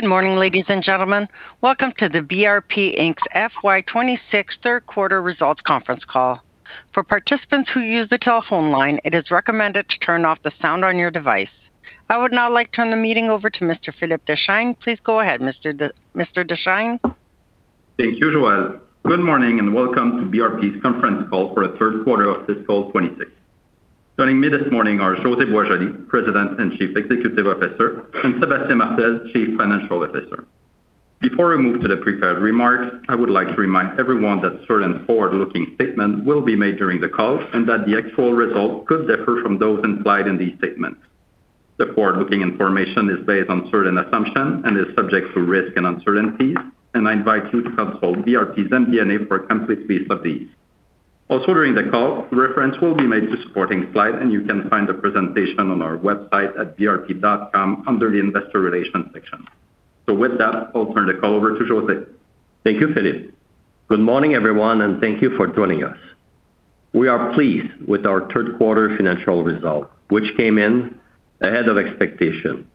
Good morning, ladies and gentlemen. Welcome to the BRP Inc.'s FY 2026 third quarter results conference call. For participants who use the telephone line, it is recommended to turn off the sound on your device. I would now like to turn the meeting over to Mr. Philippe Deschênes. Please go ahead, Mr. Deschênes. Thank you, Joelle. Good morning and welcome to BRP's conference call for the third quarter of fiscal 2026. Joining me this morning are José Boisjoli, President and Chief Executive Officer, and Sébastien Martel, Chief Financial Officer. Before we move to the prepared remarks, I would like to remind everyone that certain forward-looking statements will be made during the call and that the actual results could differ from those implied in these statements. The forward-looking information is based on certain assumptions and is subject to risk and uncertainties, and I invite you to consult BRP's MD&A for a complete list of these. Also, during the call, reference will be made to supporting slides, and you can find the presentation on our website at brp.com under the Investor Relations section. So, with that, I'll turn the call over to José. Thank you, Philippe. Good morning, everyone, and thank you for joining us. We are pleased with our third quarter financial results, which came in ahead of expectations.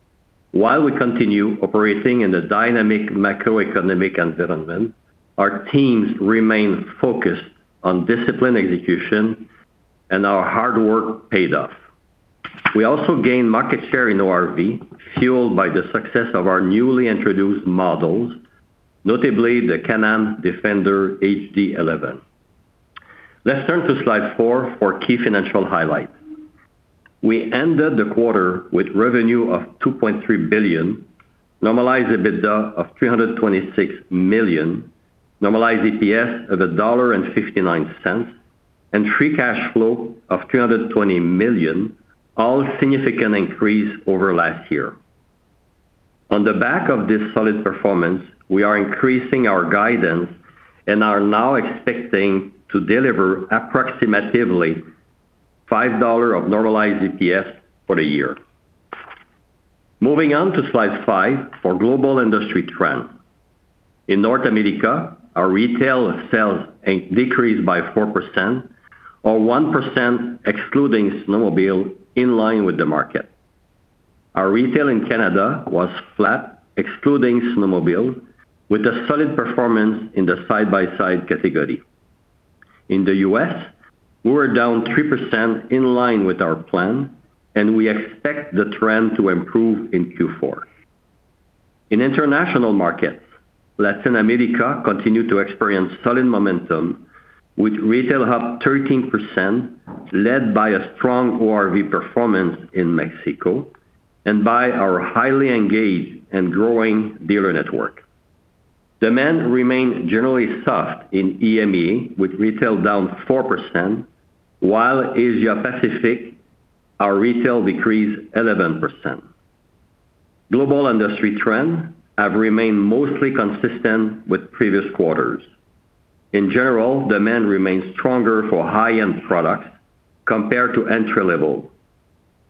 While we continue operating in a dynamic macroeconomic environment, our teams remain focused on disciplined execution, and our hard work paid off. We also gained market share in ORV, fueled by the success of our newly introduced models, notably the Can-Am Defender HD11. Let's turn to slide four for key financial highlights. We ended the quarter with revenue of 2.3 billion, normalized EBITDA of 326 million, normalized EPS of 1.59 dollar, and free cash flow of 320 million, all significant increases over last year. On the back of this solid performance, we are increasing our guidance and are now expecting to deliver approximately 5 dollars of normalized EPS for the year. Moving on to slide five for global industry trends. In North America, our retail sales decreased by 4%, or 1% excluding snowmobile, in line with the market. Our retail in Canada was flat, excluding snowmobile, with a solid performance in the side-by-side category. In the U.S., we were down 3% in line with our plan, and we expect the trend to improve in Q4. In international markets, Latin America continued to experience solid momentum, with retail up 13%, led by a strong ORV performance in Mexico and by our highly engaged and growing dealer network. Demand remained generally soft in EMEA, with retail down 4%, while in Asia-Pacific, our retail decreased 11%. Global industry trends have remained mostly consistent with previous quarters. In general, demand remained stronger for high-end products compared to entry-level.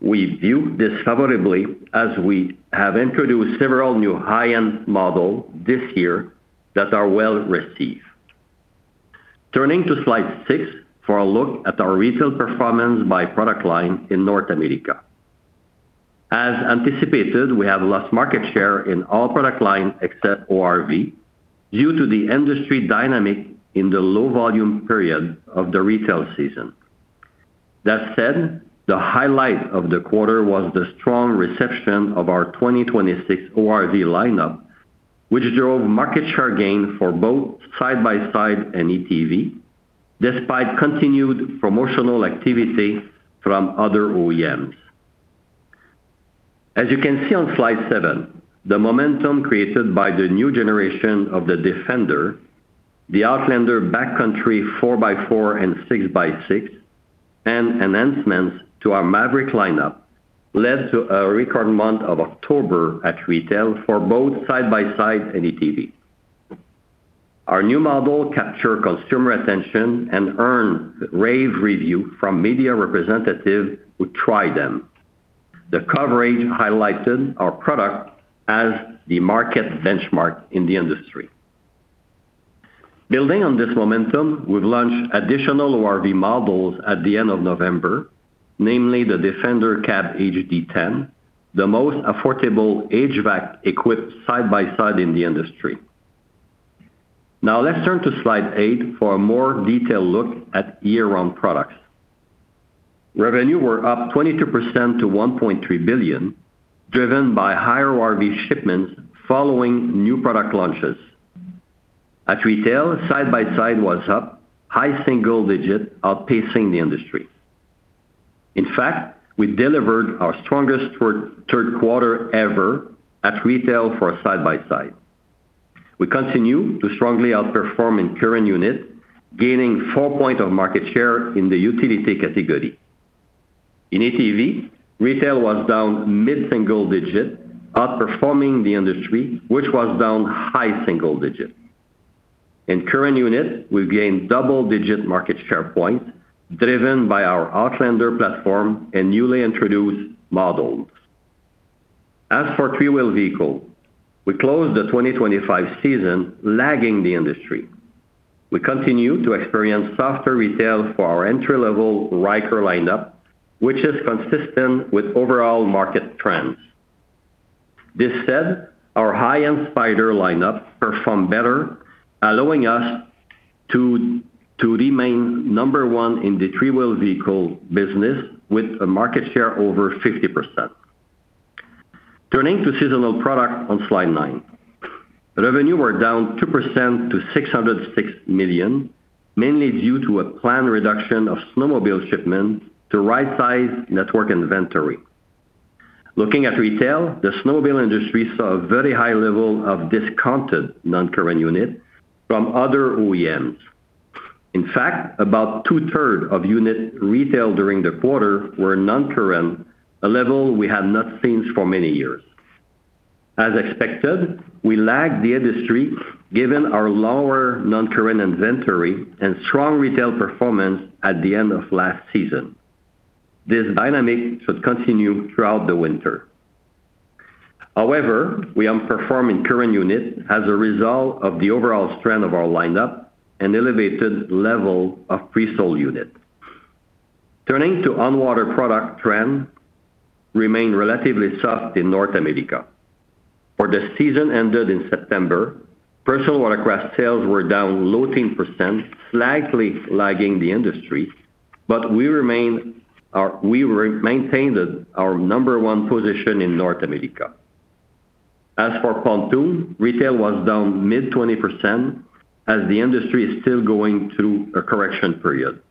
We view this favorably as we have introduced several new high-end models this year that are well received. Turning to slide six for a look at our retail performance by product line in North America. As anticipated, we have lost market share in all product lines except ORV due to the industry dynamic in the low-volume period of the retail season. That said, the highlight of the quarter was the strong reception of our 2026 ORV lineup, which drove market share gain for both side-by-side and ATV, despite continued promotional activity from other OEMs. As you can see on slide seven, the momentum created by the new generation of the Defender, the Outlander Backcountry 4x4 and 6x6, and enhancements to our Maverick lineup led to a record month of October at retail for both side-by-side and ATV. Our new model captured consumer attention and earned rave reviews from media representatives who tried them. The coverage highlighted our product as the market benchmark in the industry. Building on this momentum, we've launched additional ORV models at the end of November, namely the Defender Cab HD10, the most affordable HVAC-equipped side-by-side in the industry. Now, let's turn to slide eight for a more detailed look at year-round products. Revenue were up 22% to 1.3 billion, driven by higher ORV shipments following new product launches. At retail, side-by-side was up, high single digits, outpacing the industry. In fact, we delivered our strongest third quarter ever at retail for side-by-side. We continue to strongly outperform in current unit, gaining four points of market share in the utility category. In ATV, retail was down mid-single digits, outperforming the industry, which was down high single digits. In current unit, we gained double-digit market share points, driven by our Outlander platform and newly introduced models. As for three-wheel vehicles, we closed the 2025 season lagging the industry. We continue to experience softer retail for our entry-level Ryker lineup, which is consistent with overall market trends. This said, our high-end Spyder lineup performed better, allowing us to remain number one in the three-wheel vehicle business with a market share over 50%. Turning to seasonal products on slide nine, revenue were down 2% to 606 million, mainly due to a planned reduction of snowmobile shipments to right-sized network inventory. Looking at retail, the snowmobile industry saw a very high level of discounted non-current units from other OEMs. In fact, about two-thirds of units retailed during the quarter were non-current, a level we had not seen for many years. As expected, we lagged the industry given our lower non-current inventory and strong retail performance at the end of last season. This dynamic should continue throughout the winter. However, we outperformed in current units as a result of the overall strength of our lineup and elevated level of pre-sold units. Turning to on-water product trends, we remained relatively soft in North America. For the season ended in September, personal watercraft sales were down 14%, slightly lagging the industry, but we maintained our number one position in North America. As for pontoon, retail was down mid-20% as the industry is still going through a correction period.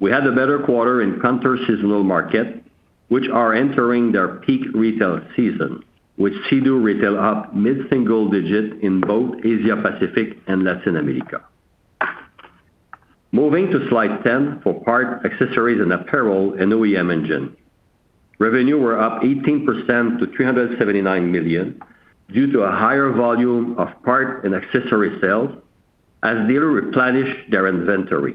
We had a better quarter in counter-seasonal markets, which are entering their peak retail season, with Sea-Doo retail up mid-single digits in both Asia-Pacific and Latin America. Moving to slide 10 for parts, accessories, and apparel in OEM engines, revenue were up 18% to 379 million due to a higher volume of parts and accessory sales as dealers replenished their inventory.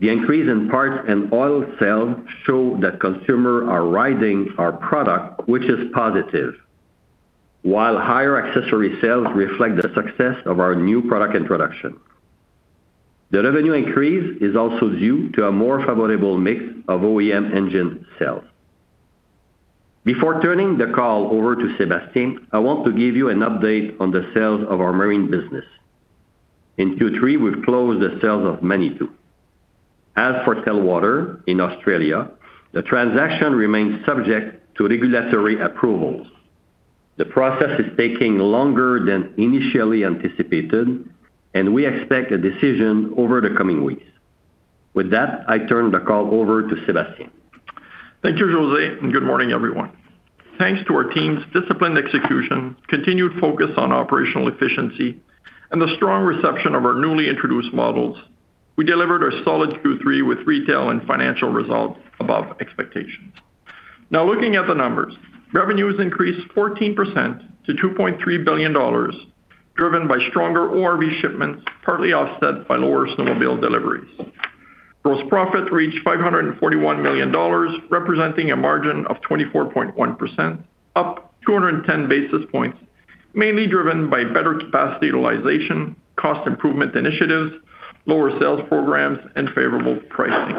The increase in parts and oil sales showed that consumers are riding our product, which is positive, while higher accessory sales reflect the success of our new product introduction. The revenue increase is also due to a more favorable mix of OEM engine sales. Before turning the call over to Sébastien, I want to give you an update on the sales of our marine business. In Q3, we've closed the sales of Manitou. As for Telwater in Australia, the transaction remains subject to regulatory approvals. The process is taking longer than initially anticipated, and we expect a decision over the coming weeks. With that, I turn the call over to Sébastien. Thank you, José. And good morning, everyone. Thanks to our team's disciplined execution, continued focus on operational efficiency, and the strong reception of our newly introduced models, we delivered a solid Q3 with retail and financial results above expectations. Now, looking at the numbers, revenues increased 14% to 2.3 billion dollars, driven by stronger ORV shipments, partly offset by lower snowmobile deliveries. Gross profit reached 541 million dollars, representing a margin of 24.1%, up 210 basis points, mainly driven by better capacity utilization, cost improvement initiatives, lower sales programs, and favorable pricing.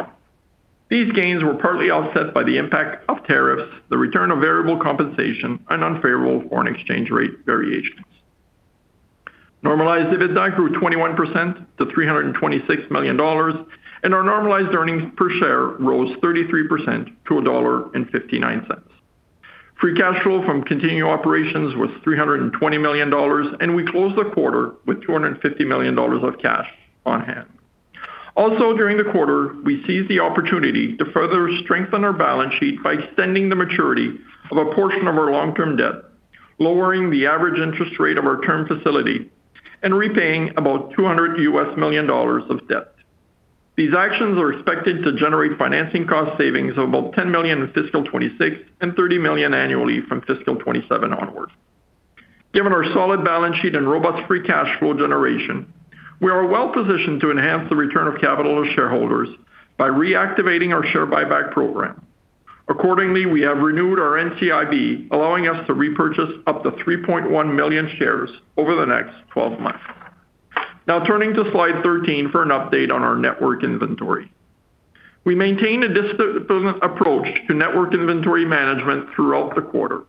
These gains were partly offset by the impact of tariffs, the return of variable compensation, and unfavorable foreign exchange rate variations. Normalized EBITDA grew 21% to 326 million dollars, and our normalized earnings per share rose 33% to 1.59 dollar. Free cash flow from continued operations was 320 million dollars, and we closed the quarter with 250 million dollars of cash on hand. Also, during the quarter, we seized the opportunity to further strengthen our balance sheet by extending the maturity of a portion of our long-term debt, lowering the average interest rate of our term facility, and repaying about $200 million of debt. These actions are expected to generate financing cost savings of about $10 million in fiscal 2026 and $30 million annually from fiscal 2027 onward. Given our solid balance sheet and robust free cash flow generation, we are well positioned to enhance the return of capital to shareholders by reactivating our share buyback program. Accordingly, we have renewed our NCIB, allowing us to repurchase up to 3.1 million shares over the next 12 months. Now, turning to slide 13 for an update on our network inventory. We maintained a disciplined approach to network inventory management throughout the quarter,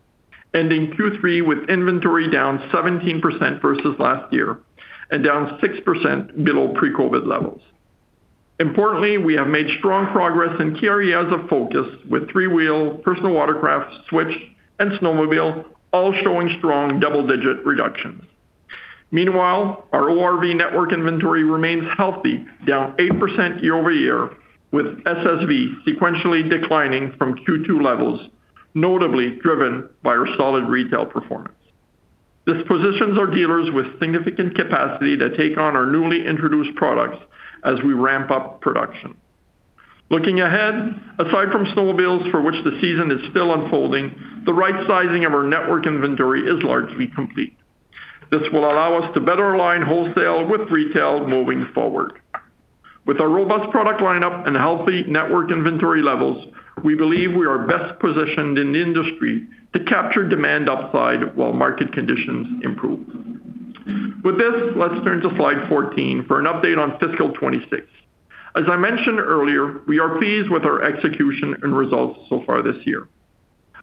ending Q3 with inventory down 17% versus last year and down 6% below pre-COVID levels. Importantly, we have made strong progress in key areas of focus, with three-wheel, personal watercraft, Switch, and snowmobile all showing strong double-digit reductions. Meanwhile, our ORV network inventory remains healthy, down 8% year-over-year, with SSV sequentially declining from Q2 levels, notably driven by our solid retail performance. This positions our dealers with significant capacity to take on our newly introduced products as we ramp up production. Looking ahead, aside from snowmobiles, for which the season is still unfolding, the right-sizing of our network inventory is largely complete. This will allow us to better align wholesale with retail moving forward. With our robust product lineup and healthy network inventory levels, we believe we are best positioned in the industry to capture demand upside while market conditions improve. With this, let's turn to slide 14 for an update on fiscal 2026. As I mentioned earlier, we are pleased with our execution and results so far this year.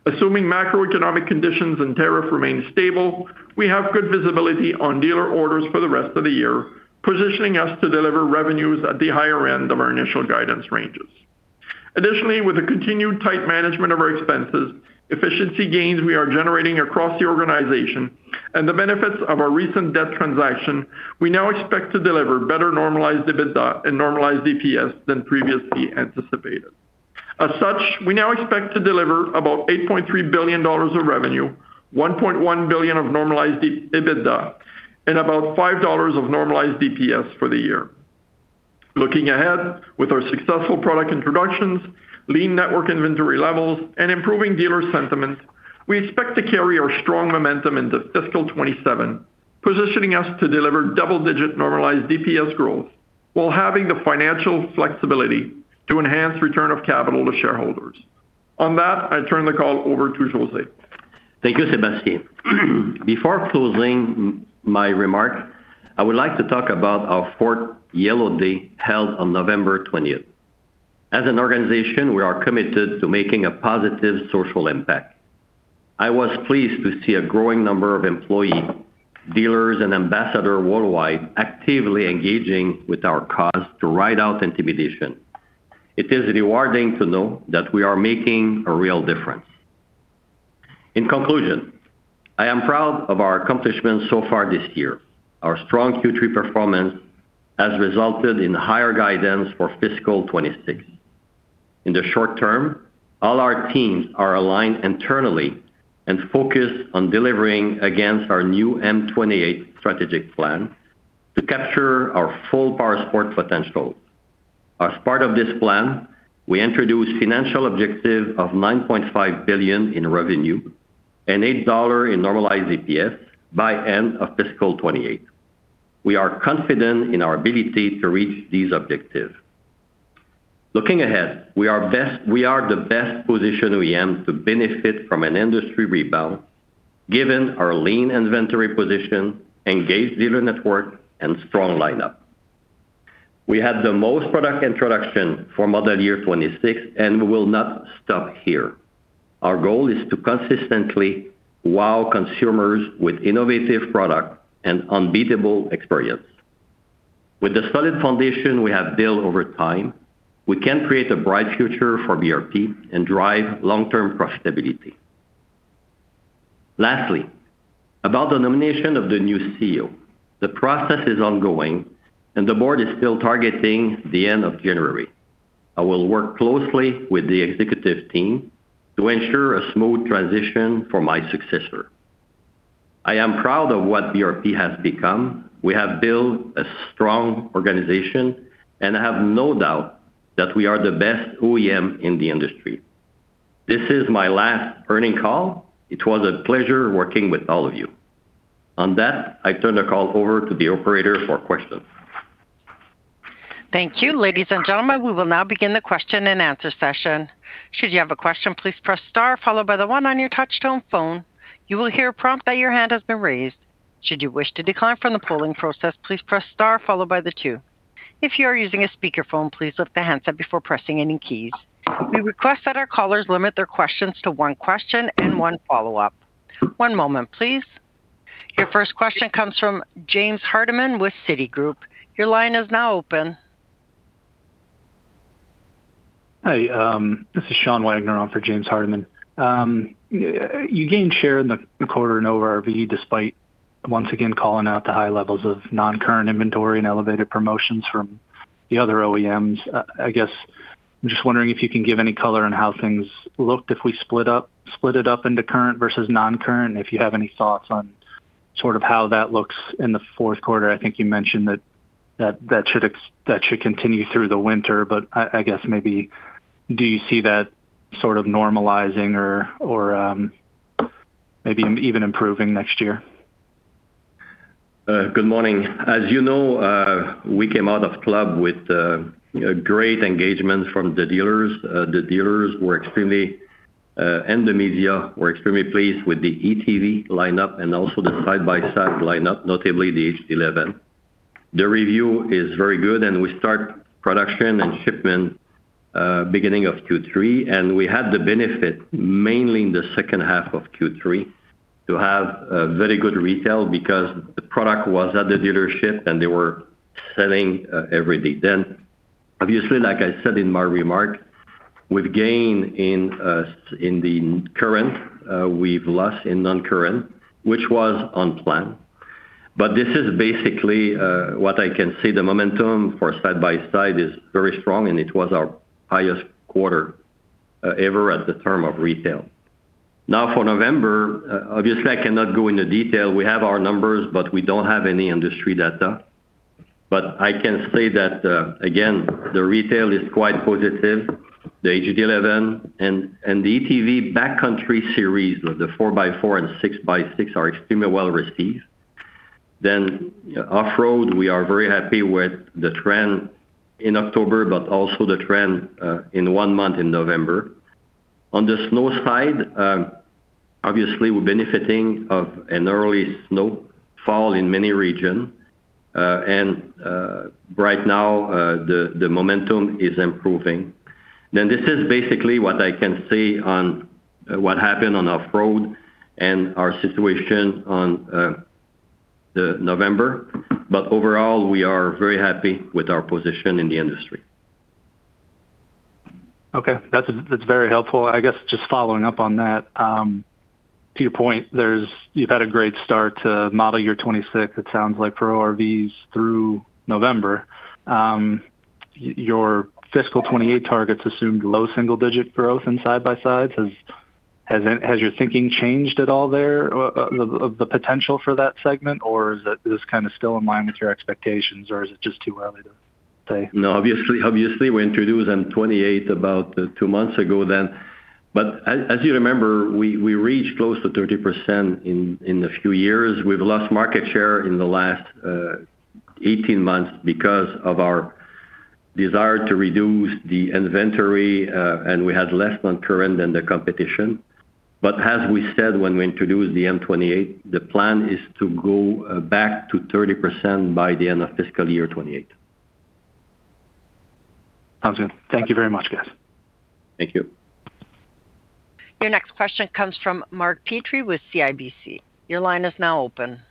Assuming macroeconomic conditions and tariffs remain stable, we have good visibility on dealer orders for the rest of the year, positioning us to deliver revenues at the higher end of our initial guidance ranges. Additionally, with the continued tight management of our expenses, efficiency gains we are generating across the organization, and the benefits of our recent debt transaction, we now expect to deliver better normalized EBITDA and normalized EPS than previously anticipated. As such, we now expect to deliver about $8.3 billion of revenue, $1.1 billion of normalized EBITDA, and about $5 of normalized EPS for the year. Looking ahead, with our successful product introductions, lean network inventory levels, and improving dealer sentiment, we expect to carry our strong momentum into fiscal 2027, positioning us to deliver double-digit normalized EPS growth while having the financial flexibility to enhance return of capital to shareholders. On that, I turn the call over to José. Thank you, Sébastien. Before closing my remark, I would like to talk about our fourth Yellow Day held on November 20th. As an organization, we are committed to making a positive social impact. I was pleased to see a growing number of employees, dealers, and ambassadors worldwide actively engaging with our cause to Ride Out Intimidation. It is rewarding to know that we are making a real difference. In conclusion, I am proud of our accomplishments so far this year. Our strong Q3 performance has resulted in higher guidance for fiscal 2026. In the short term, all our teams are aligned internally and focused on delivering against our new M28 Strategic Plan to capture our full powersport potential. As part of this plan, we introduced a financial objective of 9.5 billion in revenue and 8 dollar in normalized EPS by the end of fiscal 2028. We are confident in our ability to reach these objectives. Looking ahead, we are the best-positioned OEM to benefit from an industry rebound given our lean inventory position, engaged dealer network, and strong lineup. We had the most product introductions for model year 2026, and we will not stop here. Our goal is to consistently wow consumers with innovative products and unbeatable experience. With the solid foundation we have built over time, we can create a bright future for BRP and drive long-term profitability. Lastly, about the nomination of the new CEO, the process is ongoing, and the board is still targeting the end of January. I will work closely with the executive team to ensure a smooth transition for my successor. I am proud of what BRP has become. We have built a strong organization, and I have no doubt that we are the best OEM in the industry. This is my last earnings call. It was a pleasure working with all of you. With that, I turn the call over to the operator for questions. Thank you. Ladies and gentlemen, we will now begin the question and answer session. Should you have a question, please press star, followed by the one on your touch-tone phone. You will hear a prompt that your hand has been raised. Should you wish to decline from the polling process, please press star, followed by the two. If you are using a speakerphone, please lift the handset before pressing any keys. We request that our callers limit their questions to one question and one follow-up. One moment, please. Your first question comes from James Hardiman with Citigroup. Your line is now open. Hi. This is Sean Wagner on for James Hardiman. You gained share in the quarter in ORV despite, once again, calling out the high levels of non-current inventory and elevated promotions from the other OEMs. I guess I'm just wondering if you can give any color on how things looked if we split it up into current versus non-current, and if you have any thoughts on sort of how that looks in the fourth quarter. I think you mentioned that that should continue through the winter, but I guess maybe do you see that sort of normalizing or maybe even improving next year? Good morning. As you know, we came out of Club with great engagement from the dealers. The dealers were extremely in the media, were extremely pleased with the ATV lineup and also the side-by-side lineup, notably the HD11. The review is very good, and we started production and shipment beginning of Q3, and we had the benefit, mainly in the second half of Q3, to have very good retail because the product was at the dealership, and they were selling every day. Then, obviously, like I said in my remark, we've gained in the current, we've lost in non-current, which was on plan. But this is basically what I can say. The momentum for side-by-side is very strong, and it was our highest quarter ever in terms of retail. Now, for November, obviously, I cannot go into detail. We have our numbers, but we don't have any industry data. But I can say that, again, the retail is quite positive. The HD11 and the ATV Backcountry series, the 4x4 and 6x6, are extremely well received. Then, off-road, we are very happy with the trend in October, but also the trend in one month in November. On the snow side, obviously, we're benefiting of an early snowfall in many regions, and right now, the momentum is improving. Then, this is basically what I can say on what happened on off-road and our situation in November. But overall, we are very happy with our position in the industry. Okay. That's very helpful. I guess just following up on that, to your point, you've had a great start to model year 2026, it sounds like, for ORVs through November. Your fiscal 2028 targets assumed low single-digit growth in side-by-sides. Has your thinking changed at all there of the potential for that segment, or is this kind of still in line with your expectations, or is it just too early to say? No, obviously, we introduced M28 about two months ago then. But as you remember, we reached close to 30% in a few years. We've lost market share in the last 18 months because of our desire to reduce the inventory, and we had less new product than the competition. But as we said when we introduced the M28, the plan is to go back to 30% by the end of fiscal year 2028. Thank you very much, guys. Thank you. Your next question comes from Mark Petrie with CIBC. Your line is now open.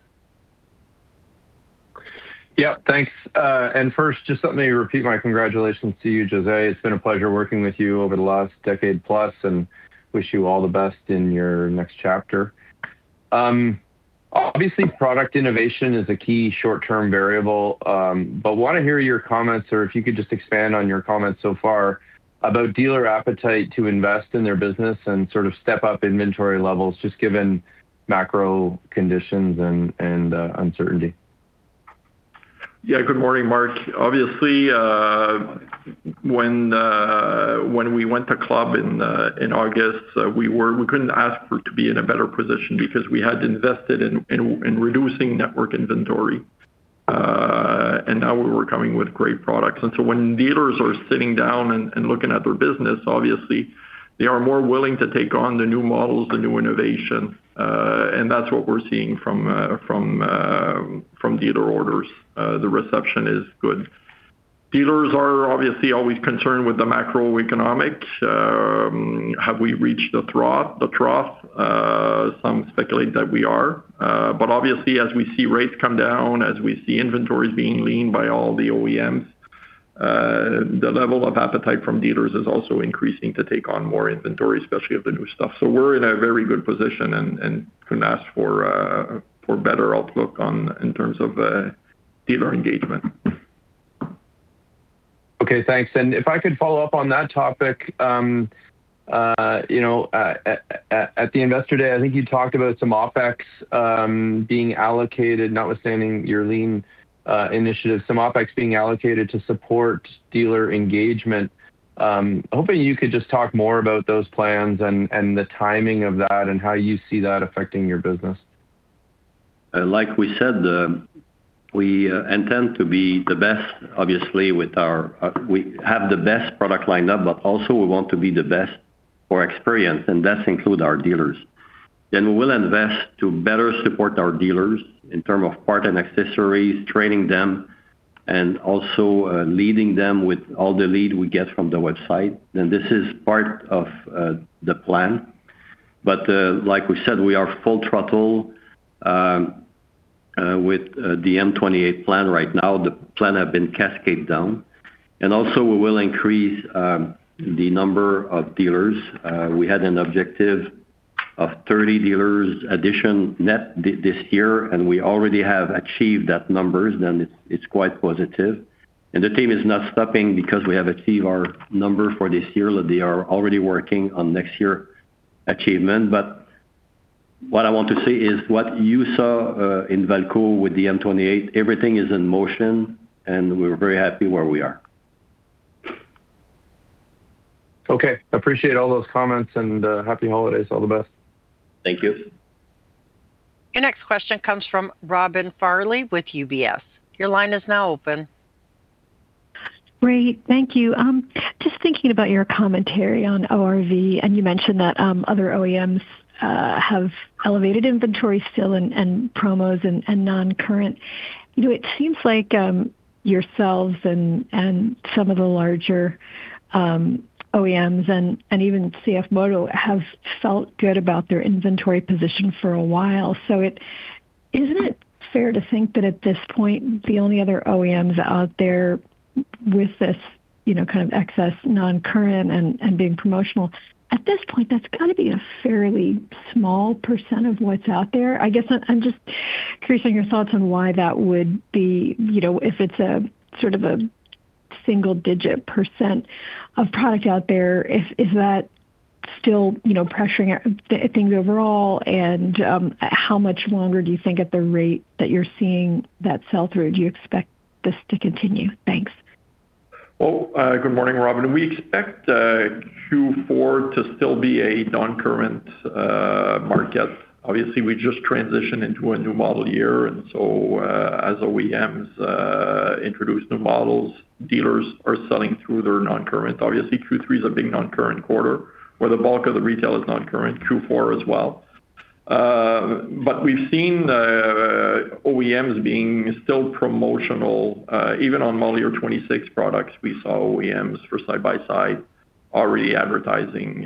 Yeah, thanks. And first, just let me repeat my congratulations to you, José. It's been a pleasure working with you over the last decade plus and wish you all the best in your next chapter. Obviously, product innovation is a key short-term variable, but I want to hear your comments or if you could just expand on your comments so far about dealer appetite to invest in their business and sort of step up inventory levels just given macro conditions and uncertainty. Yeah, good morning, Mark. Obviously, when we went to Club in August, we couldn't ask for it to be in a better position because we had invested in reducing network inventory, and now we were coming with great products, and so when dealers are sitting down and looking at their business, obviously, they are more willing to take on the new models, the new innovations, and that's what we're seeing from dealer orders. The reception is good. Dealers are obviously always concerned with the macroeconomy. Have we reached the trough? Some speculate that we are, but obviously, as we see rates come down, as we see inventories being leaned by all the OEMs, the level of appetite from dealers is also increasing to take on more inventory, especially of the new stuff. So we're in a very good position and couldn't ask for a better outlook in terms of dealer engagement. Okay, thanks. And if I could follow up on that topic, at the Investor Day, I think you talked about some OpEx being allocated, notwithstanding your lean initiative, some OpEx being allocated to support dealer engagement. Hoping you could just talk more about those plans and the timing of that and how you see that affecting your business. Like we said, we intend to be the best, obviously, with our we have the best product lineup, but also we want to be the best for experience, and that includes our dealers. Then we will invest to better support our dealers in terms of parts and accessories, training them, and also leading them with all the leads we get from the website. Then this is part of the plan. But like we said, we are full throttle with the M28 plan right now. The plan has been cascaded down. And also, we will increase the number of dealers. We had an objective of 30 dealers addition net this year, and we already have achieved that number. Then it's quite positive. And the team is not stopping because we have achieved our number for this year. They are already working on next year's achievement. But what I want to say is what you saw in Valcourt with the M28, everything is in motion, and we're very happy where we are. Okay. Appreciate all those comments and happy holidays. All the best. Thank you. Your next question comes from Robin Farley with UBS. Your line is now open. Great. Thank you. Just thinking about your commentary on ORV, and you mentioned that other OEMs have elevated inventory still and promos and non-current. It seems like yourselves and some of the larger OEMs and even CFMOTO have felt good about their inventory position for a while. So isn't it fair to think that at this point, the only other OEMs out there with this kind of excess non-current and being promotional, at this point, that's got to be a fairly small percent of what's out there? I guess I'm just curious on your thoughts on why that would be if it's a sort of a single-digit percent of product out there. Is that still pressuring things overall? And how much longer do you think at the rate that you're seeing that sell-through? Do you expect this to continue? Thanks. Good morning, Robin. We expect Q4 to still be a non-current market. Obviously, we just transitioned into a new model year, and so as OEMs introduce new models, dealers are selling through their non-current. Obviously, Q3 is a big non-current quarter where the bulk of the retail is non-current, Q4 as well. But we've seen OEMs being still promotional. Even on model year 2026 products, we saw OEMs for side-by-side already advertising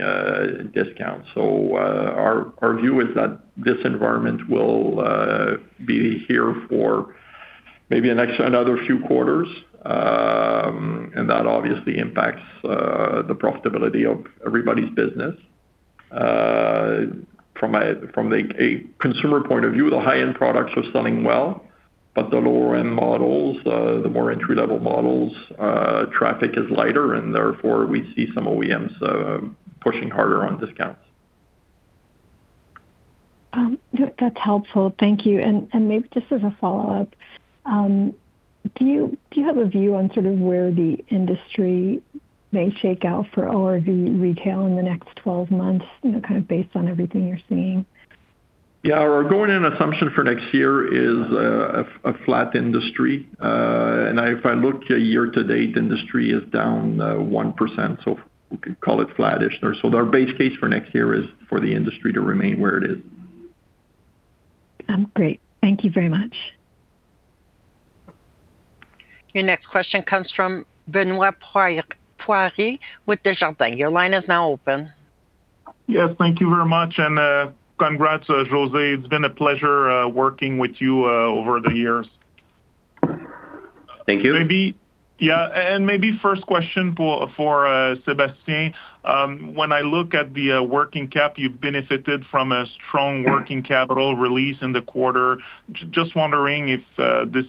discounts. So our view is that this environment will be here for maybe another few quarters, and that obviously impacts the profitability of everybody's business. From a consumer point of view, the high-end products are selling well, but the lower-end models, the more entry-level models, traffic is lighter, and therefore, we see some OEMs pushing harder on discounts. That's helpful. Thank you. And maybe just as a follow-up, do you have a view on sort of where the industry may shake out for ORV retail in the next 12 months, kind of based on everything you're seeing? Yeah. Our going-in assumption for next year is a flat industry, and if I look year to date, the industry is down 1%, so we could call it flat-ish, so our base case for next year is for the industry to remain where it is. Great. Thank you very much. Your next question comes from Benoit Poirier with Desjardins. Your line is now open. Yes, thank you very much, and congrats, José. It's been a pleasure working with you over the years. Thank you. Yeah, and maybe first question for Sébastien. When I look at the working cap, you've benefited from a strong working capital release in the quarter. Just wondering if this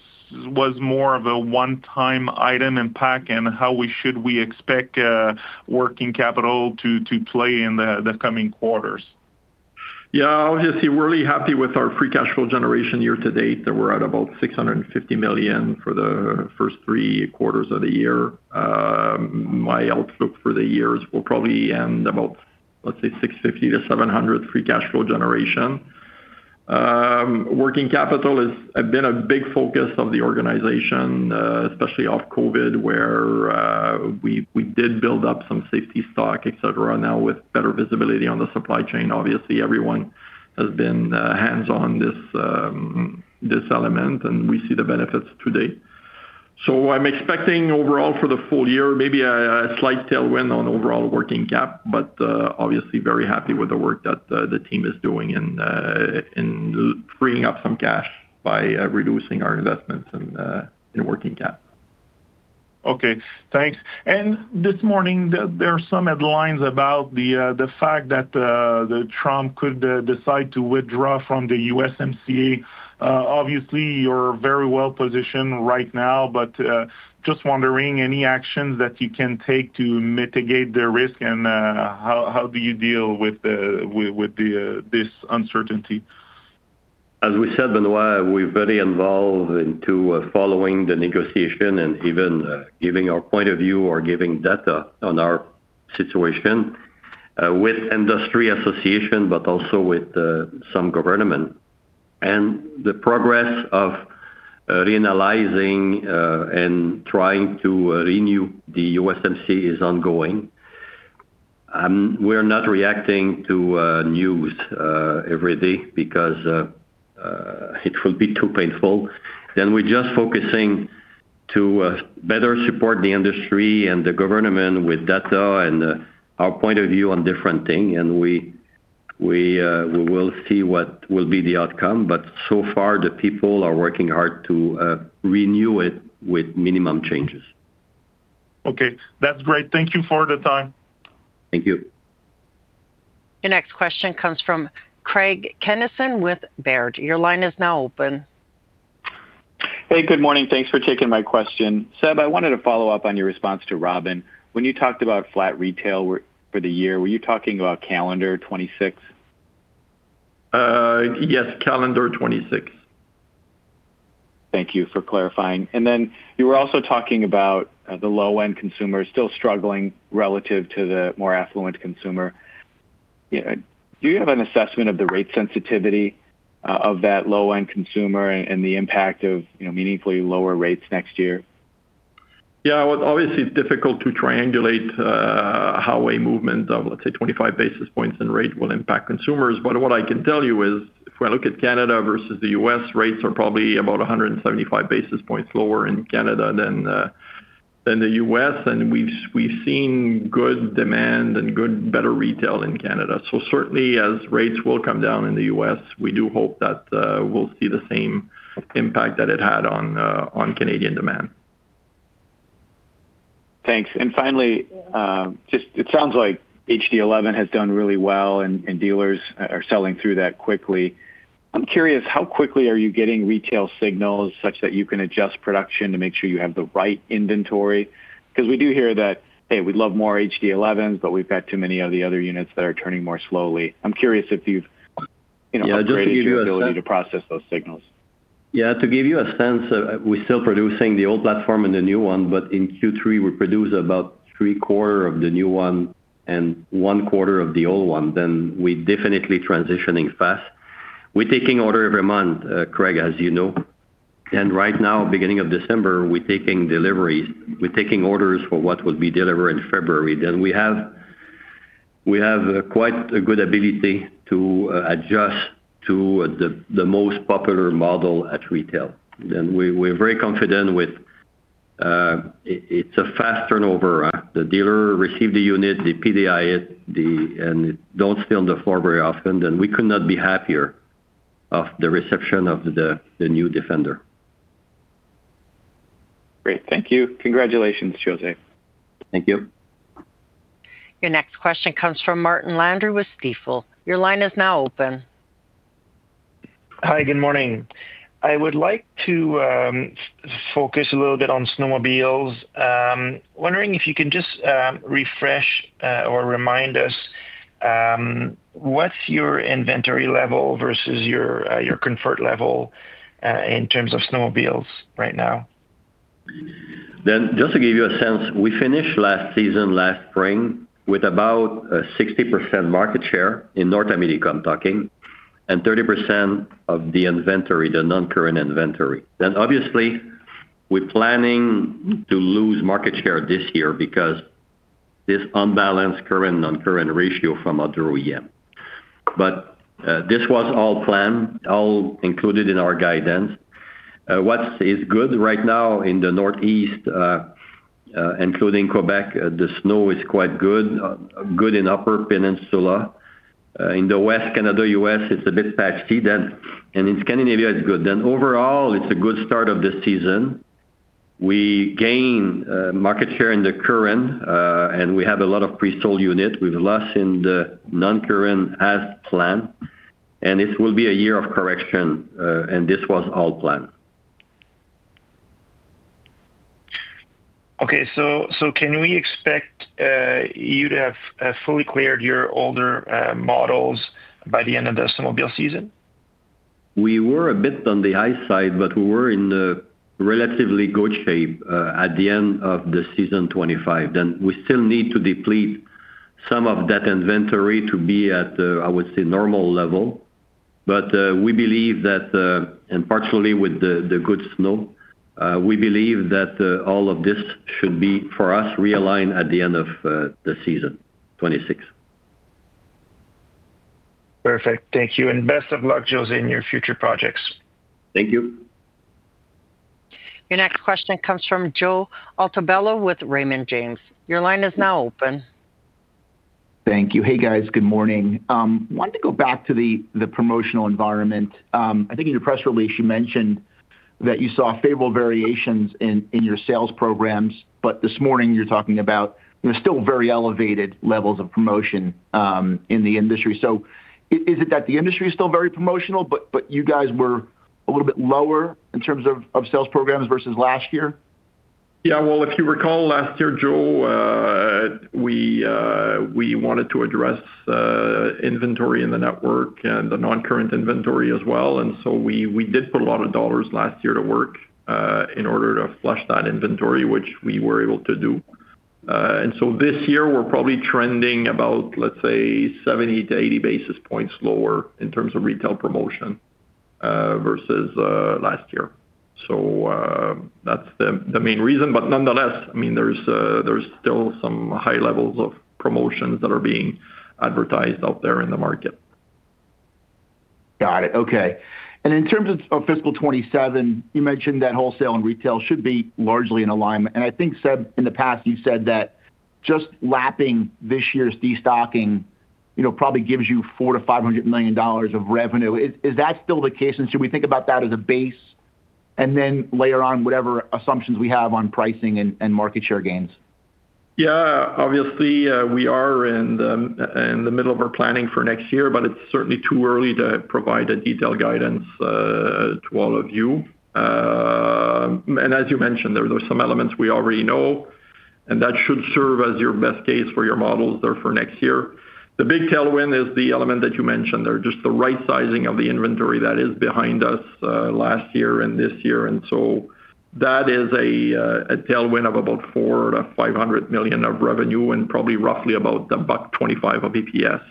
was more of a one-time item, and how should we expect working capital to play in the coming quarters? Yeah. Obviously, we're really happy with our free cash flow generation year-to-date. We're at about 650 million for the first three quarters of the year. My outlook for the year is we'll probably end about, let's say, 650 million-700 million free cash flow generation. Working capital has been a big focus of the organization, especially off COVID, where we did build up some safety stock, etc., now with better visibility on the supply chain. Obviously, everyone has been hands-on this element, and we see the benefits today. So I'm expecting overall for the full year, maybe a slight tailwind on overall working cap, but obviously, very happy with the work that the team is doing in freeing up some cash by reducing our investments in working cap. Okay. Thanks. And this morning, there are some headlines about the fact that Trump could decide to withdraw from the USMCA. Obviously, you're very well positioned right now, but just wondering, any actions that you can take to mitigate the risk, and how do you deal with this uncertainty? As we said, Benoit, we're very involved into following the negotiation and even giving our point of view or giving data on our situation with industry association, but also with some government. And the progress of reanalyzing and trying to renew the USMCA is ongoing. We're not reacting to news every day because it would be too painful. Then we're just focusing to better support the industry and the government with data and our point of view on different things, and we will see what will be the outcome. But so far, the people are working hard to renew it with minimum changes. Okay. That's great. Thank you for the time. Thank you. Your next question comes from Craig Kennison with Baird. Your line is now open. Hey, good morning. Thanks for taking my question. Seb, I wanted to follow up on your response to Robin. When you talked about flat retail for the year, were you talking about calendar 2026? Yes, calendar 2026. Thank you for clarifying. And then you were also talking about the low-end consumer still struggling relative to the more affluent consumer. Do you have an assessment of the rate sensitivity of that low-end consumer and the impact of meaningfully lower rates next year? Yeah. Obviously, it's difficult to triangulate how a movement of, let's say, 25 basis points in rate will impact consumers. But what I can tell you is if I look at Canada versus the U.S., rates are probably about 175 basis points lower in Canada than the U.S., and we've seen good demand and better retail in Canada. So certainly, as rates will come down in the U.S., we do hope that we'll see the same impact that it had on Canadian demand. Thanks. And finally, it sounds like HD11 has done really well, and dealers are selling through that quickly. I'm curious, how quickly are you getting retail signals such that you can adjust production to make sure you have the right inventory? Because we do hear that, "Hey, we'd love more HD11s, but we've got too many of the other units that are turning more slowly." I'm curious if you've had the ability to process those signals. Yeah. To give you a sense, we're still producing the old platform and the new one, but in Q3, we produced about three-quarters of the new one and one-quarter of the old one. Then we're definitely transitioning fast. We're taking orders every month, Craig, as you know. And right now, beginning of December, we're taking deliveries. We're taking orders for what will be delivered in February. Then we have quite a good ability to adjust to the most popular model at retail. Then we're very confident with it. It's a fast turnover. The dealer receives the unit, they PDI it, and don't sit on the floor very often. Then we could not be happier with the reception of the new Defender. Great. Thank you. Congratulations, José. Thank you. Your next question comes from Martin Landry with Stifel. Your line is now open. Hi, good morning. I would like to focus a little bit on snowmobiles. Wondering if you can just refresh or remind us what's your inventory level versus your comfort level in terms of snowmobiles right now? Then, just to give you a sense, we finished last season, last spring, with about 60% market share in North America. I'm talking, and 30% of the inventory, the non-current inventory. Then obviously, we're planning to lose market share this year because of this unbalanced current/non-current ratio from other OEM. But this was all planned, all included in our guidance. What is good right now in the Northeast, including Quebec: the snow is quite good, good in Upper Peninsula. In the West, Canada, U.S., it's a bit patchy. Then in Scandinavia, it's good. Then overall, it's a good start of the season. We gain market share in the current, and we have a lot of pre-sold units. We've lessened the non-current as planned, and it will be a year of correction, and this was all planned. Okay. So can we expect you to have fully cleared your older models by the end of the snowmobile season? We were a bit on the high side, but we were in relatively good shape at the end of the season 2025. Then we still need to deplete some of that inventory to be at, I would say, normal level. But we believe that, and partially with the good snow, we believe that all of this should be, for us, realigned at the end of the season 2026. Perfect. Thank you. And best of luck, José, in your future projects. Thank you. Your next question comes from Joe Altobello with Raymond James. Your line is now open. Thank you. Hey, guys. Good morning. I wanted to go back to the promotional environment. I think in your press release, you mentioned that you saw favorable variations in your sales programs, but this morning, you're talking about still very elevated levels of promotion in the industry. So is it that the industry is still very promotional, but you guys were a little bit lower in terms of sales programs versus last year? Yeah. Well, if you recall last year, Joe, we wanted to address inventory in the network and the non-current inventory as well. And so we did put a lot of dollars last year to work in order to flush that inventory, which we were able to do. And so this year, we're probably trending about, let's say, 70-80 basis points lower in terms of retail promotion versus last year. So that's the main reason. But nonetheless, I mean, there's still some high levels of promotions that are being advertised out there in the market. Got it. Okay. And in terms of fiscal 2027, you mentioned that wholesale and retail should be largely in alignment. And I think, Séb, in the past, you've said that just lapping this year's destocking probably gives you 400 million-500 million dollars of revenue. Is that still the case? And should we think about that as a base and then layer on whatever assumptions we have on pricing and market share gains? Yeah. Obviously, we are in the middle of our planning for next year, but it's certainly too early to provide a detailed guidance to all of you, and as you mentioned, there are some elements we already know, and that should serve as your best case for your models there for next year. The big tailwind is the element that you mentioned. There's just the right sizing of the inventory that is behind us last year and this year, and so that is a tailwind of about 400 million-500 million of revenue and probably roughly about the $1.25 of EPS.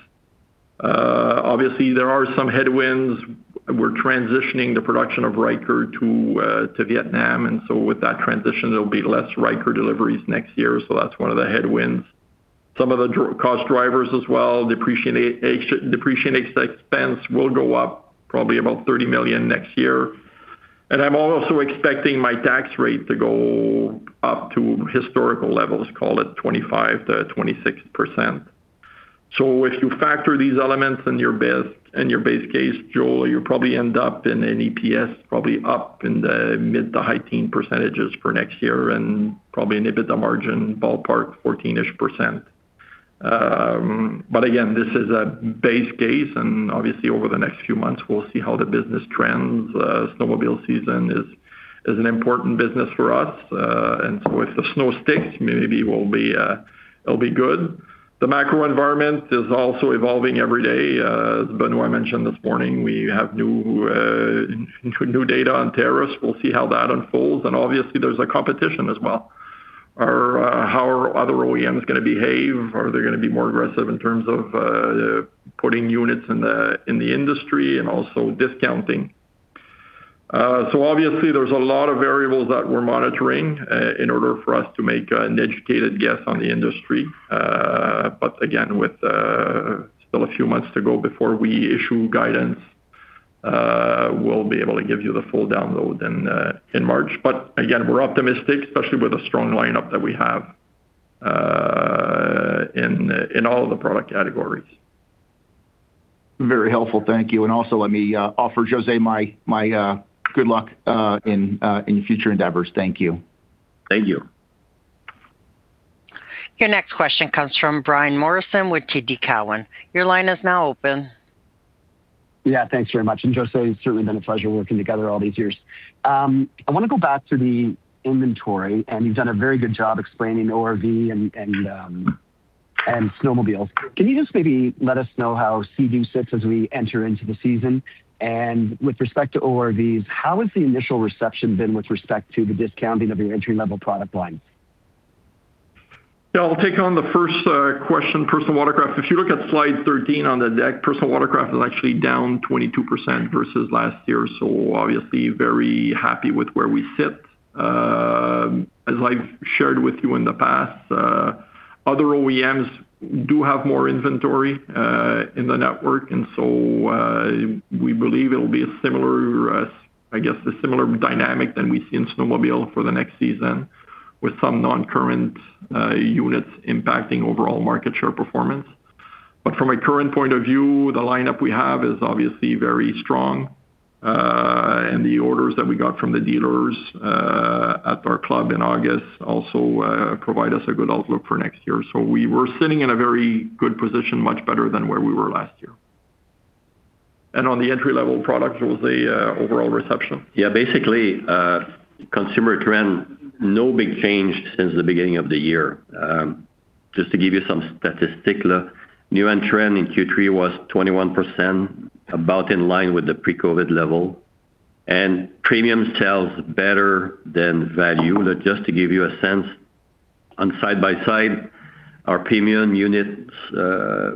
Obviously, there are some headwinds. We're transitioning the production of Ryker to Vietnam, and so with that transition, there'll be less Ryker deliveries next year, so that's one of the headwinds. Some of the cost drivers as well, depreciation expense will go up probably about 30 million next year, and I'm also expecting my tax rate to go up to historical levels, call it 25%-26%. So if you factor these elements in your base case, Joelle, you'll probably end up in an EPS probably up in the mid- to high-teen percentages for next year and probably a bit of margin, ballpark 14-ish%. This is a base case, and obviously, over the next few months, we'll see how the business trends. Snowmobile season is an important business for us, and so if the snow sticks, maybe it'll be good. The macro environment is also evolving every day. As Benoit mentioned this morning, we have new data on tariffs. We'll see how that unfolds, and obviously, there's a competition as well. How are other OEMs going to behave? Are they going to be more aggressive in terms of putting units in the industry and also discounting? So obviously, there's a lot of variables that we're monitoring in order for us to make an educated guess on the industry. But again, with still a few months to go before we issue guidance, we'll be able to give you the full download in March. But again, we're optimistic, especially with the strong lineup that we have in all of the product categories. Very helpful. Thank you. And also, let me offer José my good luck in future endeavors. Thank you. Thank you. Your next question comes from Brian Morrison with TD Cowen. Your line is now open. Yeah. Thanks very much. And José, it's certainly been a pleasure working together all these years. I want to go back to the inventory, and you've done a very good job explaining ORV and snowmobiles. Can you just maybe let us know how Sea-Doo sits as we enter into the season? And with respect to ORVs, how has the initial reception been with respect to the discounting of your entry-level product lines? Yeah. I'll take on the first question, personal watercraft. If you look at slide 13 on the deck, personal watercraft is actually down 22% versus last year. Obviously, very happy with where we sit. As I've shared with you in the past, other OEMs do have more inventory in the network, and so we believe it'll be a similar, I guess, a similar dynamic than we see in snowmobile for the next season with some non-current units impacting overall market share performance. But from a current point of view, the lineup we have is obviously very strong, and the orders that we got from the dealers at our Club in August also provide us a good outlook for next year. We were sitting in a very good position, much better than where we were last year. On the entry-level product, it was an overall reception. Yeah. Basically, consumer trend, no big change since the beginning of the year. Just to give you some statistic, new entry in Q3 was 21%, about in line with the pre-COVID level. And premium sells better than value. Just to give you a sense, on side by side, our premium unit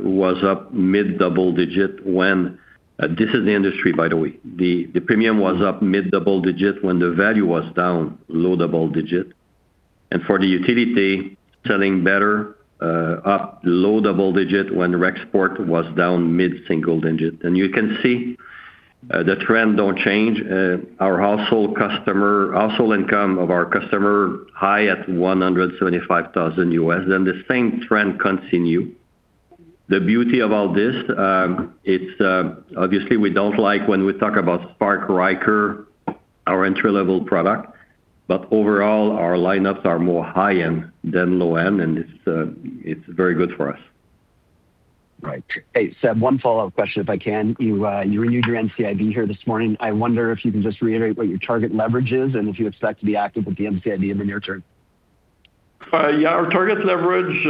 was up mid double digit when this is the industry, by the way. The premium was up mid double digit when the value was down low double digit. And for the utility, selling better, up low double digit when the export was down mid single digit. And you can see the trend don't change. Our household income of our customer high at $175,000, then the same trend continue. The beauty of all this, obviously, we don't like when we talk about Spark Ryker, our entry-level product, but overall, our lineups are more high-end than low-end, and it's very good for us. Right. Hey, Séb, one follow-up question if I can. You renewed your NCIB here this morning. I wonder if you can just reiterate what your target leverage is and if you expect to be active with the NCIB in the near term. Yeah. Our target leverage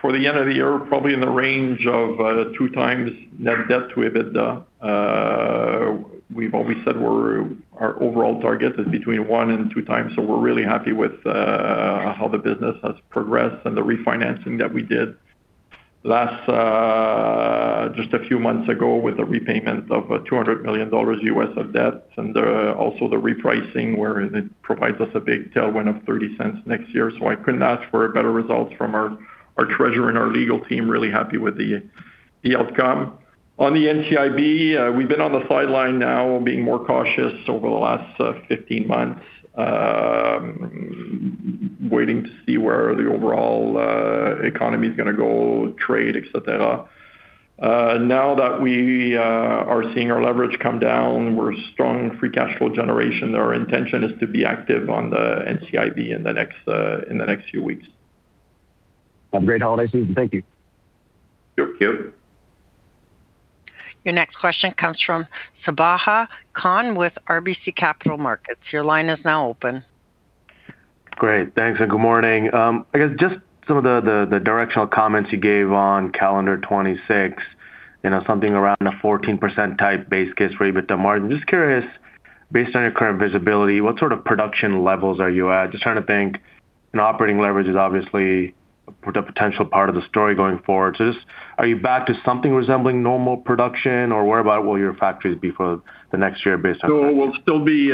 for the end of the year is probably in the range of 2x net debt to EBITDA. We've always said our overall target is between 1x and 2x, so we're really happy with how the business has progressed and the refinancing that we did just a few months ago with the repayment of $200 million US of debt and also the repricing where it provides us a big tailwind of 30 cents next year. So I couldn't ask for a better result from our treasurer and our legal team. Really happy with the outcome. On the NCIB, we've been on the sidelines now, being more cautious over the last 15 months, waiting to see where the overall economy is going to go, trade, etc. Now that we are seeing our leverage come down, we're strong free cash flow generation. Our intention is to be active on the NCIB in the next few weeks. Have a great holiday season. Thank you. Thank you. Your next question comes from Sabahat Khan with RBC Capital Markets. Your line is now open. Great. Thanks and good morning. I guess just some of the directional comments you gave on calendar 2026, something around a 14% type base case for EBITDA margin. Just curious, based on your current visibility, what sort of production levels are you at? Just trying to think, operating leverage is obviously a potential part of the story going forward. So just are you back to something resembling normal production, or whereabouts will your factories be for the next year based on? We'll still be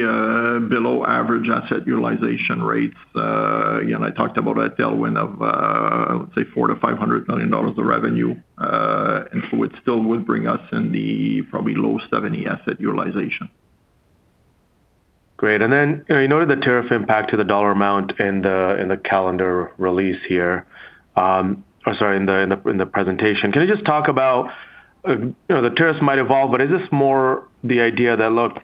below average asset utilization rates. Again, I talked about a tailwind of, let's say, 400 million-500 million dollars of revenue, and so it still would bring us in the probably lowest of any asset utilization. Great. And then I noted the tariff impact to the dollar amount in the calendar release here or sorry, in the presentation. Can you just talk about the tariffs might evolve, but is this more the idea that, look,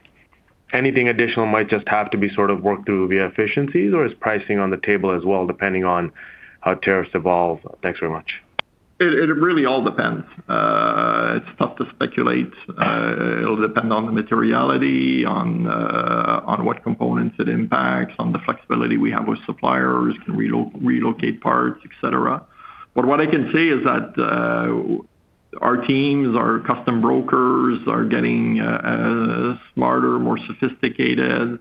anything additional might just have to be sort of worked through via efficiencies, or is pricing on the table as well depending on how tariffs evolve? Thanks very much. It really all depends. It's tough to speculate. It'll depend on the materiality, on what components it impacts, on the flexibility we have with suppliers, can relocate parts, etc. But what I can say is that our teams, our customs brokers are getting smarter, more sophisticated.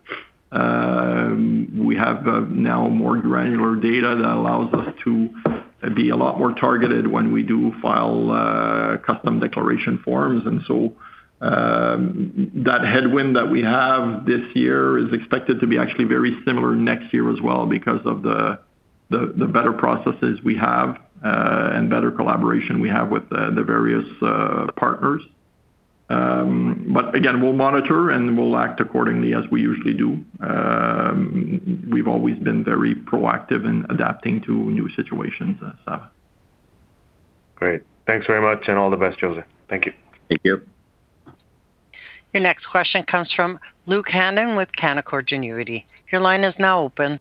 We have now more granular data that allows us to be a lot more targeted when we do file customs declaration forms. And so that headwind that we have this year is expected to be actually very similar next year as well because of the better processes we have and better collaboration we have with the various partners. But again, we'll monitor and we'll act accordingly as we usually do. We've always been very proactive in adapting to new situations. Great. Thanks very much and all the best, José. Thank you. Thank you. Your next question comes from Luke Hannan with Canaccord Genuity. Your line is now open.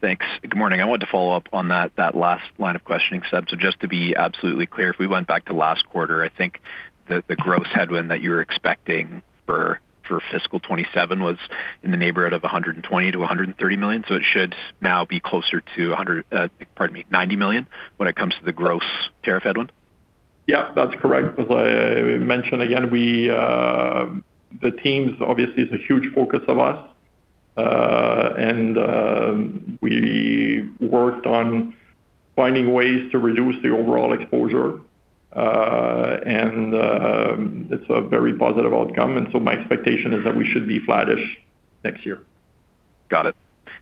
Thanks. Good morning. I wanted to follow up on that last line of questioning, Séb. Just to be absolutely clear, if we went back to last quarter, I think the gross headwind that you were expecting for fiscal 2027 was in the neighborhood of 120 million-130 million. So it should now be closer to, pardon me, 90 million when it comes to the gross tariff headwind. Yeah. That's correct. As I mentioned, again, the teams obviously is a huge focus of us, and we worked on finding ways to reduce the overall exposure, and it's a very positive outcome. And so my expectation is that we should be flattish next year. Got it.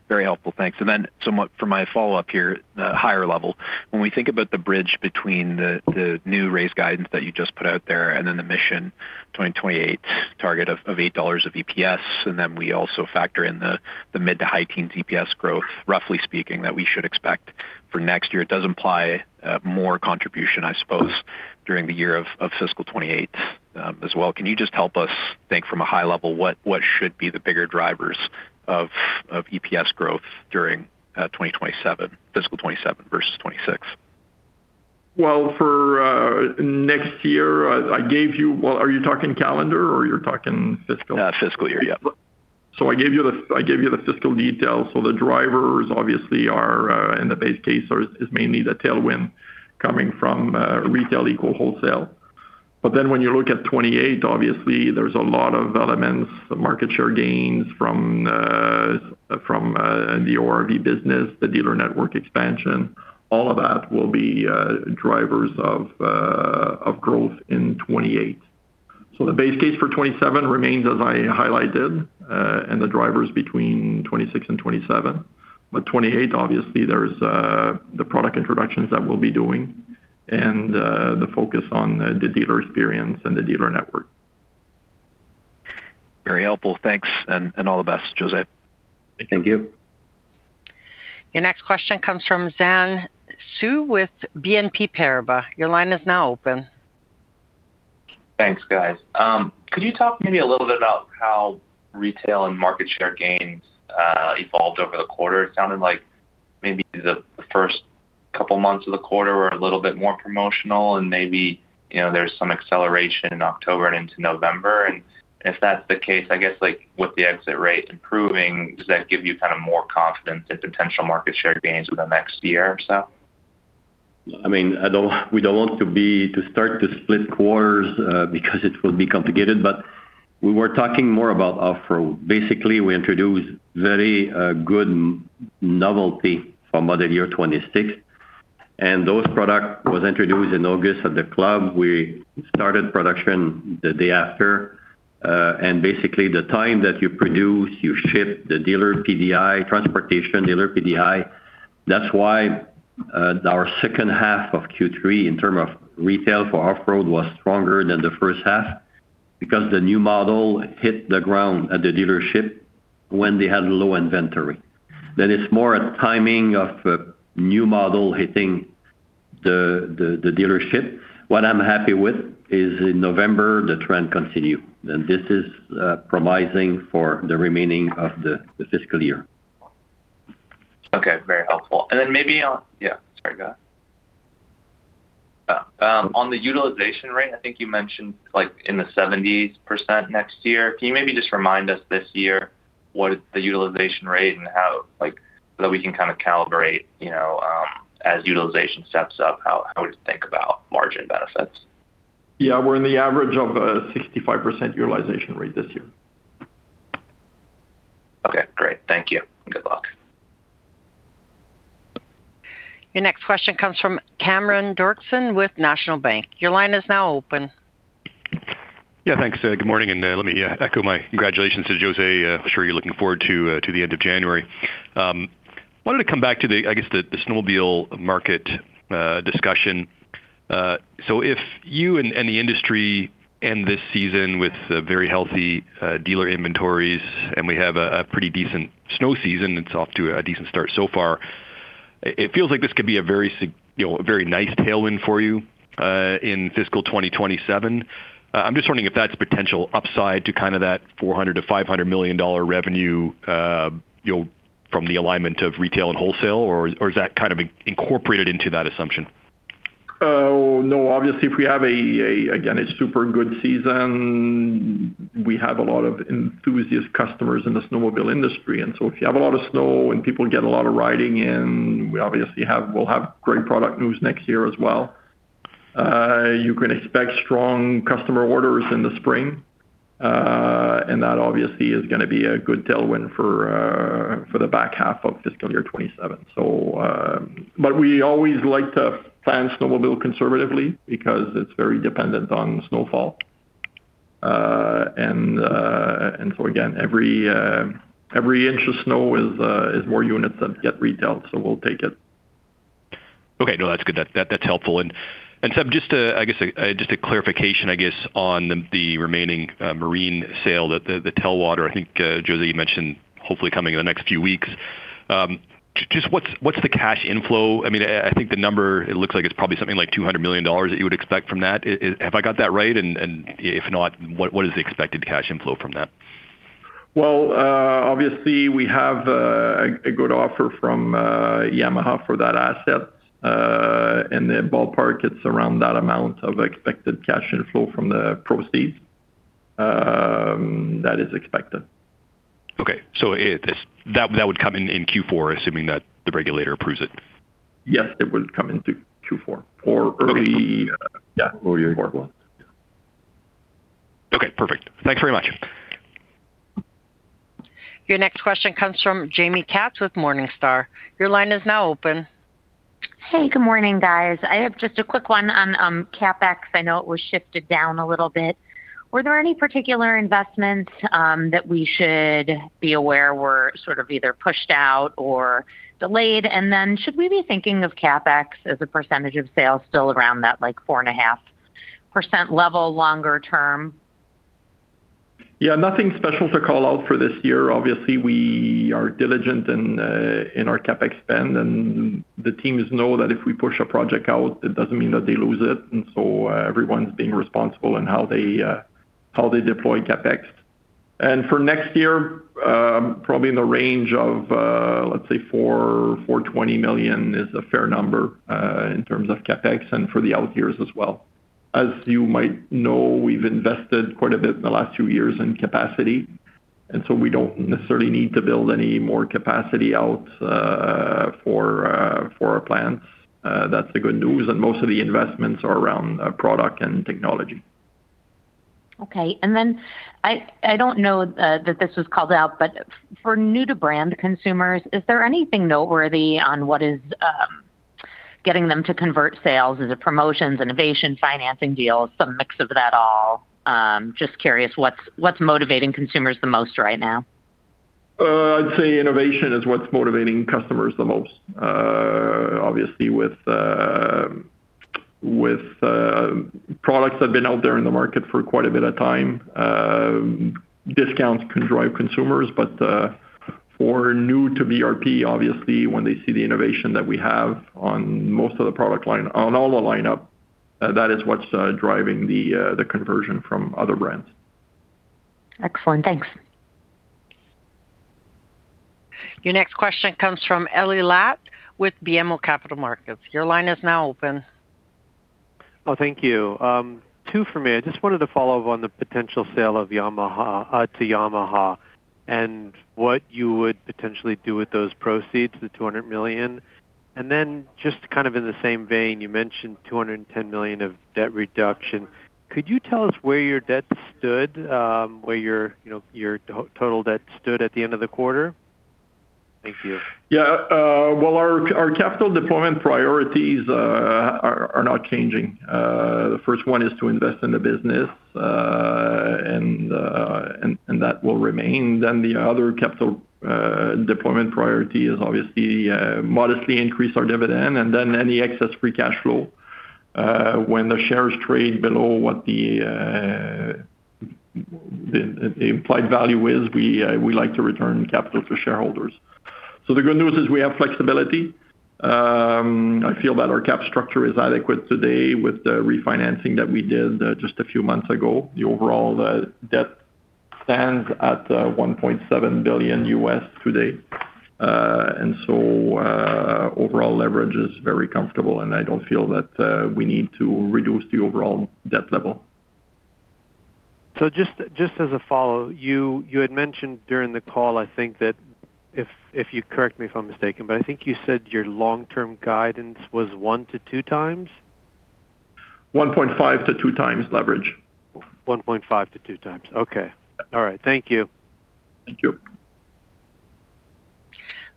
Very helpful. Thanks. And then from my follow-up here, the higher level, when we think about the bridge between the new raised guidance that you just put out there and then the Mission 2028 target of 8 dollars EPS, and then we also factor in the mid- to high-teens EPS growth, roughly speaking, that we should expect for next year. It does imply more contribution, I suppose, during the year of fiscal 2028 as well. Can you just help us think from a high level what should be the bigger drivers of EPS growth during fiscal 2027 versus 2026? For next year, I gave you. Are you talking calendar or you're talking fiscal? Fiscal year. Yeah. I gave you the fiscal details. The drivers obviously are in the base case is mainly the tailwind coming from retail equal wholesale. But then when you look at 2028, obviously, there's a lot of elements, market share gains from the ORV business, the dealer network expansion. All of that will be drivers of growth in 2028. The base case for 2027 remains as I highlighted and the drivers between 2026 and 2027. But 2028, obviously, there's the product introductions that we'll be doing and the focus on the dealer experience and the dealer network. Very helpful. Thanks and all the best, José. Thank you. Your next question comes from Xian Siew with BNP Paribas. Your line is now open. Thanks, guys. Could you talk maybe a little bit about how retail and market share gains evolved over the quarter? It sounded like maybe the first couple of months of the quarter were a little bit more promotional and maybe there's some acceleration in October and into November, and if that's the case, I guess with the exit rate improving, does that give you kind of more confidence in potential market share gains for the next year or so? I mean, we don't want to start to split quarters because it will be complicated, but we were talking more about off-road. Basically, we introduced very good novelty for model year 2026, and those products were introduced in August at the Club. We started production the day after. Basically, the time that you produce, you ship the dealer PDI, transportation dealer PDI. That's why our second half of Q3 in terms of retail for off-road was stronger than the first half because the new model hit the ground at the dealership when they had low inventory. Then it's more a timing of new model hitting the dealership. What I'm happy with is in November, the trend continued, and this is promising for the remaining of the fiscal year. Okay. Very helpful. And then maybe on yeah. Sorry. Go ahead. On the utilization rate, I think you mentioned in the 70% next year. Can you maybe just remind us this year what is the utilization rate and how that we can kind of calibrate as utilization steps up, how we think about margin benefits? Yeah. We're in the average of a 65% utilization rate this year. Okay. Great. Thank you. Good luck. Your next question comes from Cameron Doerksen with National Bank. Your line is now open. Yeah. Thanks, good morning, and let me echo my congratulations to José. I'm sure you're looking forward to the end of January. I wanted to come back to the, I guess, the snowmobile market discussion. So if you and the industry end this season with very healthy dealer inventories and we have a pretty decent snow season, it's off to a decent start so far, it feels like this could be a very nice tailwind for you in fiscal 2027. I'm just wondering if that's potential upside to kind of that $400 million-$500 million revenue from the alignment of retail and wholesale, or is that kind of incorporated into that assumption? Oh, no. Obviously, if we have a, again, a super good season, we have a lot of enthusiast customers in the snowmobile industry. And so if you have a lot of snow and people get a lot of riding in, we obviously will have great product news next year as well. You can expect strong customer orders in the spring, and that obviously is going to be a good tailwind for the back half of fiscal year 2027. But we always like to plan snowmobile conservatively because it's very dependent on snowfall. And so again, every inch of snow is more units that get retailed, so we'll take it. Okay. No, that's good. That's helpful. And Séb, just I guess just a clarification, I guess, on the remaining marine sale, the Telwater, I think José mentioned hopefully coming in the next few weeks. Just what's the cash inflow? I mean, I think the number, it looks like it's probably something like 200 million dollars that you would expect from that. Have I got that right? And if not, what is the expected cash inflow from that? Obviously, we have a good offer from Yamaha for that asset, and the ballpark, it's around that amount of expected cash inflow from the proceeds that is expected. Okay. So that would come in Q4, assuming that the regulator approves it? Yes, it would come into Q4 or early Q4. Okay. Perfect. Thanks very much. Your next question comes from Jaime Katz with Morningstar. Your line is now open. Hey, good morning, guys. I have just a quick one on CapEx. I know it was shifted down a little bit. Were there any particular investments that we should be aware were sort of either pushed out or delayed? And then should we be thinking of CapEx as a percentage of sales still around that 4.5% level longer term? Yeah. Nothing special to call out for this year. Obviously, we are diligent in our CapEx spend, and the teams know that if we push a project out, it doesn't mean that they lose it, and so everyone's being responsible in how they deploy CapEx, and for next year, probably in the range of, let's say, 420 million is a fair number in terms of CapEx and for the out years as well. As you might know, we've invested quite a bit in the last few years in capacity, and so we don't necessarily need to build any more capacity out for our plants. That's the good news, and most of the investments are around product and technology. Okay. And then I don't know that this was called out, but for new-to-brand consumers, is there anything noteworthy on what is getting them to convert sales? Is it promotions, innovation, financing deals, some mix of that all? Just curious what's motivating consumers the most right now. I'd say innovation is what's motivating customers the most, obviously, with products that have been out there in the market for quite a bit of time. Discounts can drive consumers, but for new-to-BRP, obviously, when they see the innovation that we have on most of the product line, on all the lineup, that is what's driving the conversion from other brands. Excellent. Thanks. Your next question comes from Ellie Latt with BMO Capital Markets. Your line is now open. Oh, thank you. Two for me. I just wanted to follow up on the potential sale to Yamaha and what you would potentially do with those proceeds, the $200 million. And then just kind of in the same vein, you mentioned $210 million of debt reduction. Could you tell us where your debt stood, where your total debt stood at the end of the quarter? Thank you. Yeah. Well, our capital deployment priorities are not changing. The first one is to invest in the business, and that will remain. Then the other capital deployment priority is obviously modestly increase our dividend and then any excess free cash flow. When the shares trade below what the implied value is, we like to return capital to shareholders. So the good news is we have flexibility. I feel that our cap structure is adequate today with the refinancing that we did just a few months ago. The overall debt stands at $1.7 billion today. And so overall leverage is very comfortable, and I don't feel that we need to reduce the overall debt level. So just as a follow-up, you had mentioned during the call, I think, that if you correct me if I'm mistaken, but I think you said your long-term guidance was 1x-2x? 1.5x-2x leverage. 1.5x-2x. Okay. All right. Thank you. Thank you.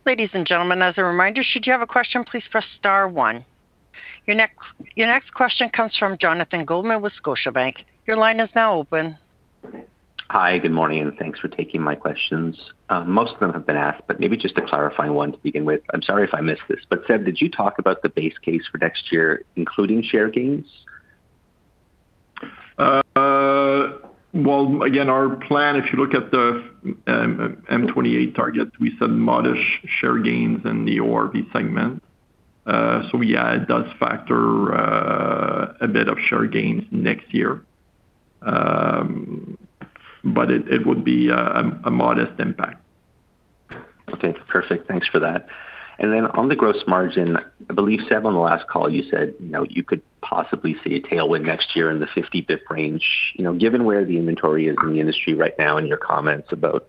Ladies and gentlemen, as a reminder, should you have a question, please press star one. Your next question comes from Jonathan Goldman with Scotiabank. Your line is now open. Hi, good morning, and thanks for taking my questions. Most of them have been asked, but maybe just a clarifying one to begin with. I'm sorry if I missed this, but Séb, did you talk about the base case for next year, including share gains? Again, our plan, if you look at the M28 target, we said modest share gains in the ORV segment. Yeah, it does factor a bit of share gains next year, but it would be a modest impact. Okay. Perfect. Thanks for that. And then on the gross margin, I believe Séb, on the last call, you said you could possibly see a tailwind next year in the 50 basis points range. Given where the inventory is in the industry right now and your comments about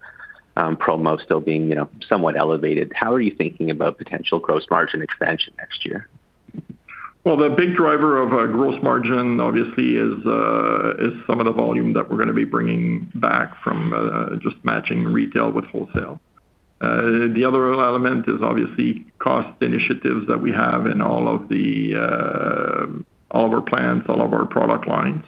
promo still being somewhat elevated, how are you thinking about potential gross margin expansion next year? The big driver of gross margin, obviously, is some of the volume that we're going to be bringing back from just matching retail with wholesale. The other element is obviously cost initiatives that we have in all of our plants, all of our product lines.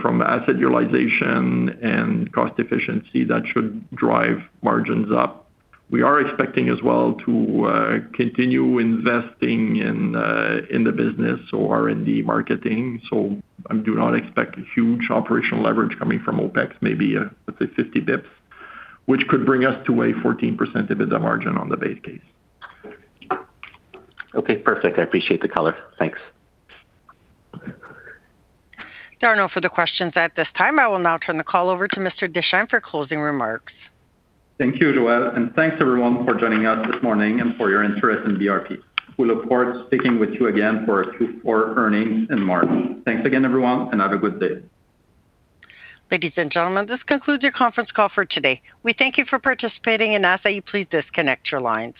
From asset utilization and cost efficiency, that should drive margins up. We are expecting as well to continue investing in the business or in the marketing. I do not expect huge operational leverage coming from OpEx, maybe let's say 50 basis points, which could bring us to a 14% dividend margin on the base case. Okay. Perfect. I appreciate the color. Thanks. There are no further questions at this time. I will now turn the call over to Mr. Deschênes for closing remarks. Thank you, Joelle, and thanks everyone for joining us this morning and for your interest in BRP. We look forward to speaking with you again for Q4 earnings in March. Thanks again, everyone, and have a good day. Ladies and gentlemen, this concludes your conference call for today. We thank you for participating and ask that you please disconnect your lines.